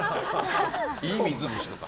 いい水虫とか。